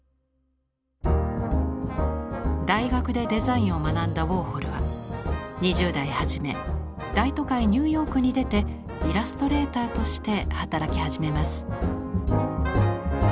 大学でデザインを学んだウォーホルは２０代初め大都会ニューヨークに出てイラストレーターとして働き始めます。